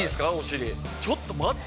ちょっと待って！